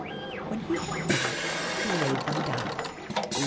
When he had finished, he laid them down.